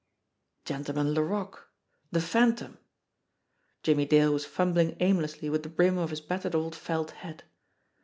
Gentleman Laroque! The Phantom! Jimmie Dale was fumbling aimlessly with the brim of his battered old felt hat.